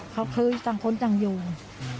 เขาเคยจังคลจังโยง